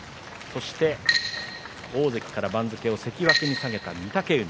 そして大関から番付を関脇に下げた御嶽海。